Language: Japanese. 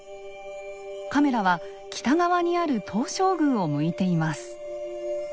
カメラは北側にある東照宮を向いています。